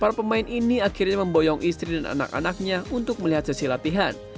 para pemain ini akhirnya memboyong istri dan anak anaknya untuk melihat sesi latihan